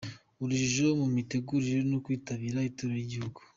Urujijo mu mitegurire no kwitabira Itorero ry’Igihugu.